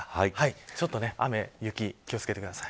ちょっと雨、雪に気を付けてください。